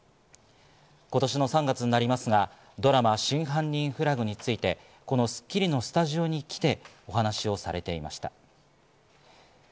今年の３月になりますが、ドラマ『真犯人フラグ』について、この『スッキリ』のスタジオに来てお話をされていました。